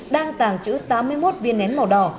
đang tàng trữ tám mươi một viên nén màu đỏ